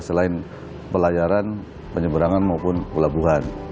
selain pelayaran penyeberangan maupun pelabuhan